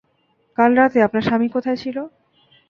কাল রাতে, আপনার স্বামী কোথায় ছিলো?